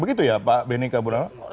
begitu ya pak benika burarman